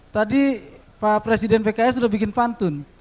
tadi pak presiden pks sudah bikin pantun